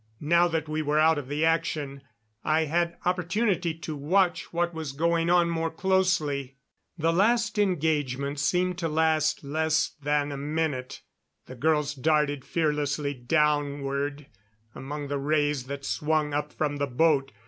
Now that we were out of the action, I had opportunity to watch what was going on more closely. This last engagement seemed to last less than a minute. The girls darted fearlessly downward among the rays that swung up from the boat.